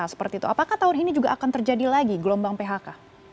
apakah tahun ini juga akan terjadi lagi gelombang phk